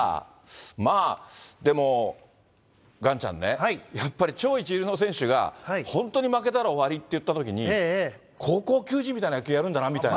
まあ、でも岩ちゃんね、やっぱり超一流の選手が本当に負けたら終わりっていったときに、高校球児みたいな野球やるんだなみたいな。